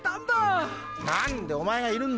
何でお前が居るんだよ！